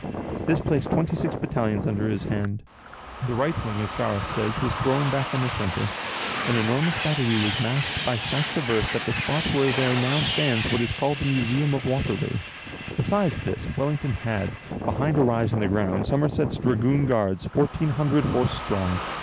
This placed twenty six battalions under his hand. The right wing, as Charras says, was thrown back on the centre. An enormous battery was masked by sacks of earth at the spot where there now stands what is called the "Museum of Waterloo." Besides this, Wellington had, behind a rise in the ground, Somerset's Dragoon Guards, fourteen hundred horse strong.